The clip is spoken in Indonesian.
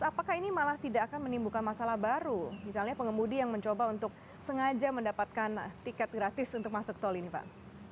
apakah ini malah tidak akan menimbulkan masalah baru misalnya pengemudi yang mencoba untuk sengaja mendapatkan tiket gratis untuk masuk tol ini pak